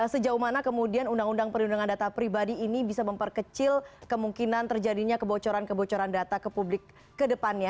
sejauh mana kemudian undang undang pdp ini bisa memperkecil kemungkinan terjadinya kebocoran kebocoran data ke publik kedepannya